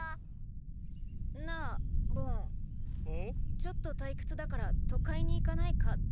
ちょっと退屈だから都会に行かないか？